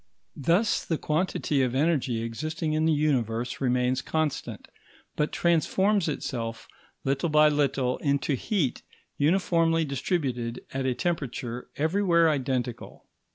Thus the quantity of energy existing in the Universe remains constant, but transforms itself little by little into heat uniformly distributed at a temperature everywhere identical.